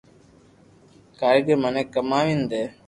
ڪريگر مني ڪماوين دي